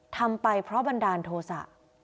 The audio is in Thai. ทำไปเพราะบันดาลโทษะ